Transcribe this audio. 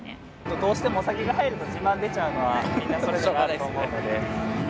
どうしてもお酒が入ると自慢が出ちゃうのはみんなそれぞれあると思うので。